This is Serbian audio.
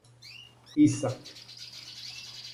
Исак